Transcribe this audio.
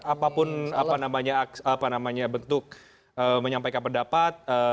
apapun apa namanya bentuk menyampaikan pendapat